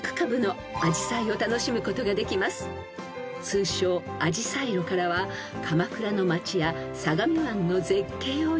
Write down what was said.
［通称あじさい路からは鎌倉の町や相模湾の絶景を一望］